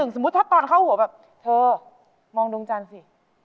สมมุติถ้าตอนเข้าหัวแบบเธอมองดวงจันทร์สิ